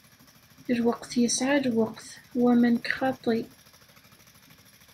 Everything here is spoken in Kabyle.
Lweqt yesεa lweqt wamma nekk xaṭi.